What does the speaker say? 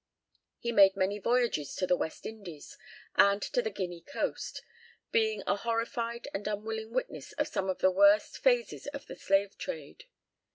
He made many voyages to the West Indies and to the Guinea coast, being a horrified and unwilling witness of some of the worst phases of the slave trade.